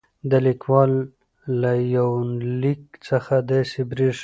د ليکوال له يونليک څخه داسې برېښي